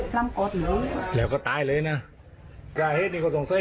ใช่แล้วก็ว่าหลุงนำก็อาจจะถักกล่าววันนี้